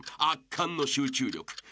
［圧巻の集中力］